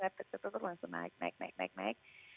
cepet cepet langsung naik naik naik